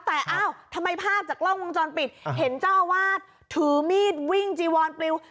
แต่อ้าวทำไมภาพจากกล้องวงจรปิดเห็นเจ้าอาวาสถือมีดวิ่งจีวอนปลิว